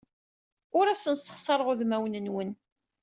Ur asen-ssexṣareɣ udmawen-nwen.